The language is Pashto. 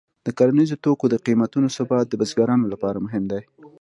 د کرنیزو توکو د قیمتونو ثبات د بزګرانو لپاره مهم دی.